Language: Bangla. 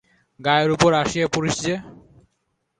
গায়ের উপর আসিয়া পড়িস যে!